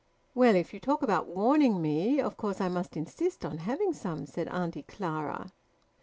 "Well, if you talk about `warning' me, of course I must insist on having some," said Auntie Clara.